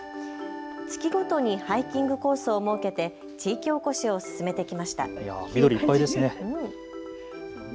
月ごとにハイキングコースを設けて地域おこしを進めてきました。